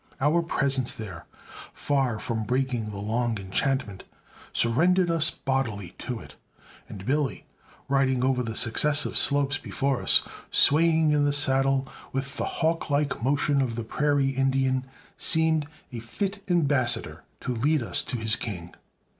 Our presence there, far from breaking the long enchantment, surrendered us bodily to it, and Billy, riding over the successive slopes before us, swaying in the saddle with the hawk like motion of the prairie Indian, seemed a fit ambassador to lead us to his king.